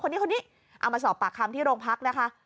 คนนี้คนนี้เอามาสอบปากคำที่โรงพักนะคะ